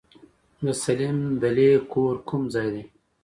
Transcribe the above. د سليم دلې کور کوم ځای دی؟